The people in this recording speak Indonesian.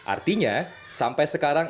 artinya sampai sekarang